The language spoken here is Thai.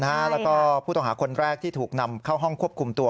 แล้วก็ผู้ต้องหาคนแรกที่ถูกนำเข้าห้องควบคุมตัว